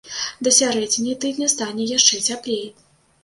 Да сярэдзіны тыдня стане яшчэ цяплей.